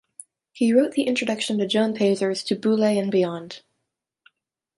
He wrote the introduction to Joan Peyser's "To Boulez and Beyond".